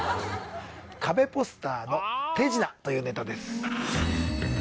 カベポスターの手品というネタです。